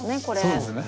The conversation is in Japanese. そうですね。